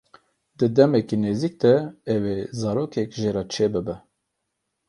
Di demeke nêzik de ew ê zarokek jê re çêbibe.